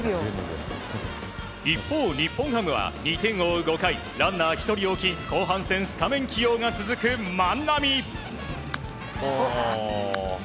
一方、日本ハムは２点を追う５回ランナー１人を置き後半戦スタメン起用が続く万波。